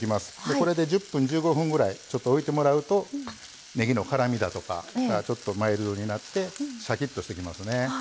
これで１０分１５分ぐらいちょっと置いてもらうとねぎの辛みだとかがちょっとマイルドになってシャキッとしてきますね。